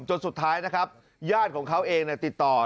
จนสุดท้ายนะครับญาติของเขาเองติดต่อ